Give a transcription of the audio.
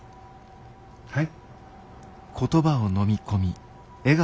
はい？